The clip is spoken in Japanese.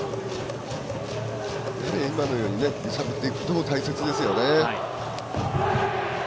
今のように揺さぶっていくことも大切ですよね。